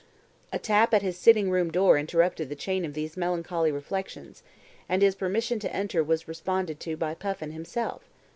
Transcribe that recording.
A tap at his sitting room door interrupted the chain of these melancholy reflections, and his permission to enter was responded to by Puffin himself.